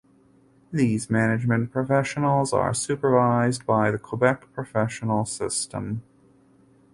These management professionals are supervised by the Quebec professional system.